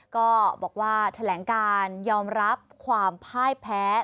ก็บอกว่าแถลงการยอมรับความพ่ายแพ้